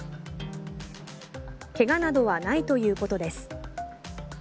怪我などはないということです。